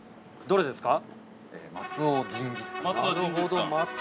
◆どれですか。